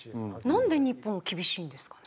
なんで日本は厳しいんですかね？